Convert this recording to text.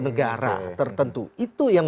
negara tertentu itu yang